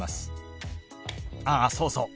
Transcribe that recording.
あっそうそう。